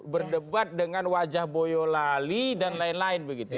berdebat dengan wajah boyo lali dan lain lain begitu